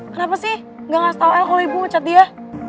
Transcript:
kenapa sih gak ngasih tau el kalo ibu ngechat dia